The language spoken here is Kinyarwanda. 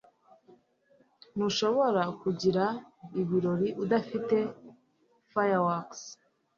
Ntushobora kugira ibirori udafite fireworks.